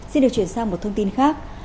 xin được chuyển sang một thông tin khác